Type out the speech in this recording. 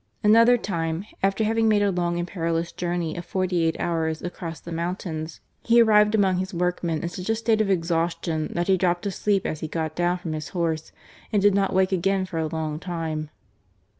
Another time, after having made a long and perilous journey of forty eight hours across the mountains, he arrived among his workmen in such a state of exhaustion that he dropped asleep as he got down from his horse and did not wake again for a long time.